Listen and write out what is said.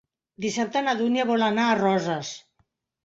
Dissabte na Dúnia vol anar a Roses.